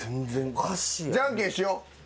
じゃんけんしよ。